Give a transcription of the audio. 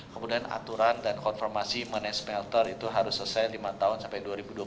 kemudian aturan dan konfirmasi manage melter itu harus selesai lima tahun sampai dua ribu dua puluh dua